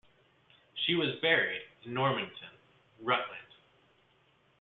She was buried in Normanton, Rutland.